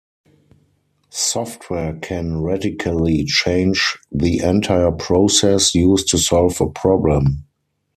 Software can radically change the entire process used to solve a problem.